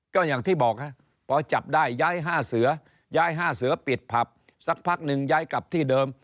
ก็อย่างที่บอกพอจับได้ย้าย๕เสือย้าย๕เสือปิดผับสักพักหนึ่งย้ายกลับที่เดิม